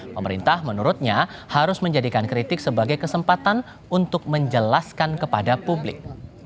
pemerintah menurutnya harus menjadikan kritik sebagai kesempatan untuk menjelaskan kepada publik